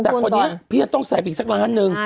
แต่คนนี้พี่ต้องแสบอีกซักล้านนึง